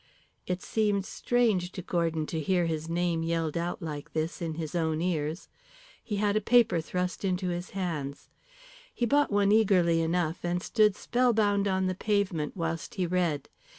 It seemed strange to Gordon to hear his name yelled out like this in his own ears. He had a paper thrust into his hands. He bought one eagerly enough, and stood spellbound on the pavement whilst he read.